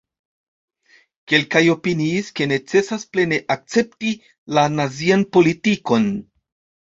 Kelkaj opiniis, ke necesas plene akcepti la nazian politikon.